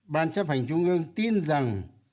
ban chấp hành trung ương tin rằng